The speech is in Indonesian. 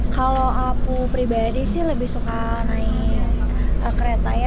kalau aku pribadi lebih suka naik kereta